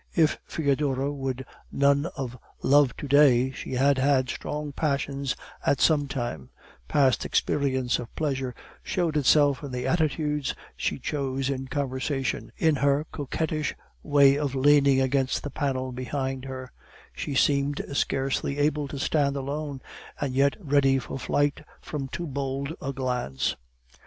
If Foedora would none of love to day, she had had strong passions at some time; past experience of pleasure showed itself in the attitudes she chose in conversation, in her coquettish way of leaning against the panel behind her; she seemed scarcely able to stand alone, and yet ready for flight from too bold a glance.